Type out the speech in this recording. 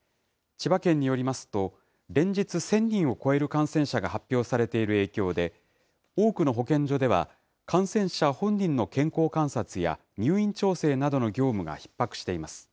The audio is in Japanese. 千葉県によりますと、連日１０００人を超える感染者が発表されている影響で、多くの保健所では感染者本人の健康観察や、入院調整などの業務がひっ迫しています。